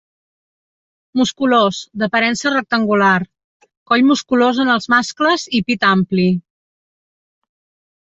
Musculós, d'aparença rectangular, coll musculós en els mascles i pit ampli.